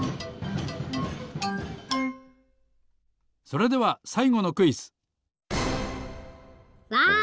それではさいごのクイズ！わなんだ？